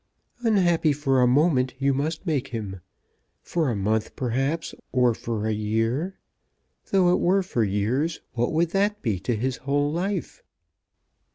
"Unhappy for a moment you must make him; for a month, perhaps, or for a year; though it were for years, what would that be to his whole life?"